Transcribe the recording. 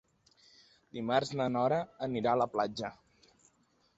Dimarts na Nora anirà a la platja.